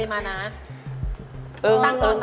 มันตั้งอย่างนั้น